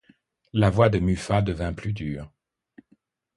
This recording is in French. La voix de Muffat devint plus dure.